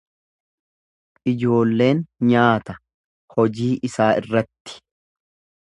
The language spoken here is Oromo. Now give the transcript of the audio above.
Ijoolleen nyaata hojii isaa irratti.